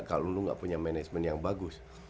kalau lu gak punya management yang bagus